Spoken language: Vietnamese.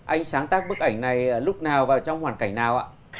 anh sáng tác bức ảnh này lúc nào vào trong hoàn cảnh nào ạ